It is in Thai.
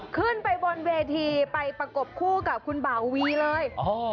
ขึ้นไปบนเวทีไปประกบคู่กับคุณบ่าวีเลย